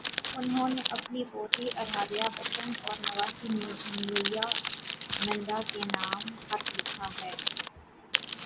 انہوں نے اپنی پوتی ارادھیابچن اور نواسی نیویا ننداکے نام خط لکھا ہے۔